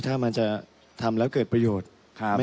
ถ้ามันจะทำแล้วเกิดประโยชน์